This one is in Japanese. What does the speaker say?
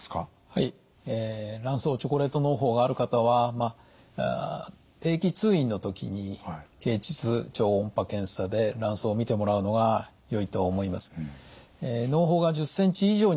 はい卵巣チョコレートのう胞がある方は定期通院の時に経腟超音波検査で卵巣を診てもらうのがよいと思います。